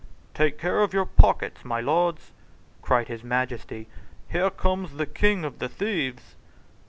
"Take care of your pockets, my lords," cried his Majesty; "here comes the king of the thieves."